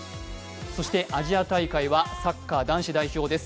そしてアジア大会はサッカー男子代表です。